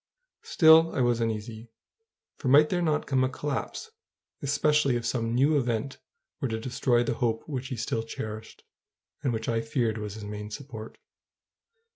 Still, I was uneasy; for might there not come a collapse, especially if some new event were to destroy the hope which he still cherished, and which I feared was his main support?